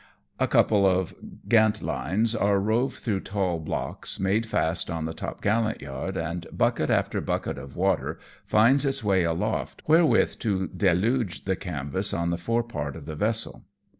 A couple of gantlines are rove through tail blocks, made fast on the top gallant yard, and bucket after bucket of water finds its way aloft, wherewith to deluge the canvas on the fore part of the vessel.